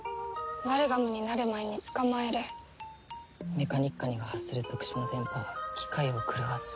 メカニッカニが発する特殊な電波は機械を狂わす。